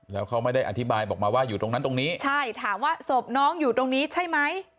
แล้วเขาไม่ได้อธิบายบอกมาว่าอยู่ตรงนั้นตรงนี้ใช่ถามว่าศพน้องอยู่ตรงนี้ใช่ไหม